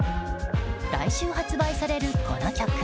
来週発売されるこの曲。